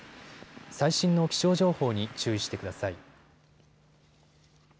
最新の気象情報に注意してください。